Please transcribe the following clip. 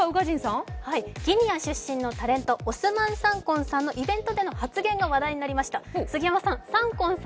ギニア出身のタレント、オスマン・サンコンさんのイベントでの発言が話題になりました。